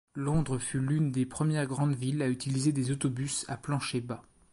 Londres fut l'une des premières grandes villes à utiliser des autobus à plancher bas.